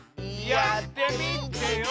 やってみてよ！